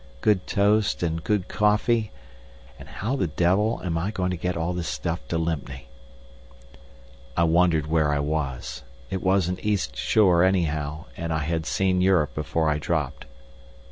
Good toast and good coffee.... And how the devil am I going to get all this stuff to Lympne?" I wondered where I was. It was an east shore anyhow, and I had seen Europe before I dropped.